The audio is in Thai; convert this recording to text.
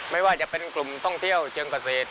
ไม่ว่าจะเป็นกลุ่มท่องเที่ยวเชิงเกษตร